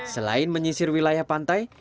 selain menyisir wilayah pantai